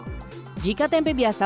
jika tempe biasa berasal dari tempe biasa